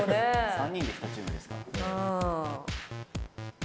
３人で１チームですからね。